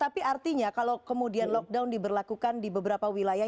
tapi artinya kalau kemudian lockdown diberlakukan di beberapa wilayah